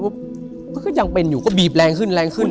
ก็ยังเป็นอยู่ก็บีบแรงขึ้นแรงขึ้น